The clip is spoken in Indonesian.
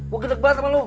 gua gedeg banget sama lu